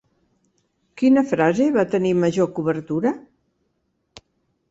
Quina frase va tenir major cobertura?